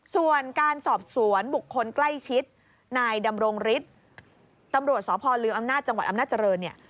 ส่วนการสอบสวนบุคคลใกล้ชิดนายดำรงฤทธิ์ตำรวจสลอจังหวัดอำนาจเจริญ